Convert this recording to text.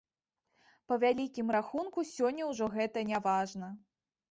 Па вялікім рахунку, сёння ўжо гэта няважна.